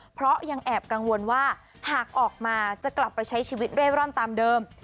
เพราะยังแอบกังวลว่าหากออกมาจะกลับไปใช้ชีวิตเร่ร่อนตามเดิม